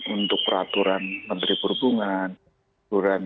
untuk peraturan menteri perhubungan